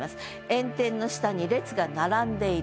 炎天の下に列が並んでいる。